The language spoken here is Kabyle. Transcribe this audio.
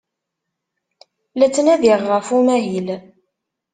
La ttnadiɣ ɣef umahil.